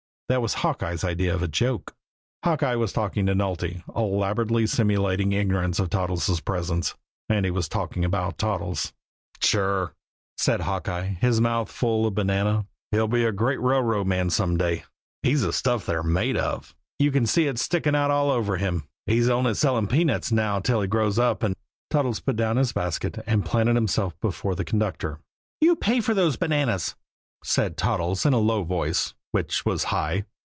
That was Hawkeye's idea of a joke. Hawkeye was talking to Nulty, elaborately simulating ignorance of Toddles' presence and he was talking about Toddles. "Sure," said Hawkeye, his mouth full of banana, "he'll be a great railroad man some day! He's the stuff they're made of! You can see it sticking out all over him! He's only selling peanuts now till he grows up and " Toddles put down his basket and planted himself before the conductor. "You pay for those bananas," said Toddles in a low voice which was high.